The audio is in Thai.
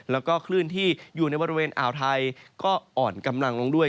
แล้วก็คลื่นที่อยู่ในบริเวณอ่าวไทยก็อ่อนกำลังลงด้วย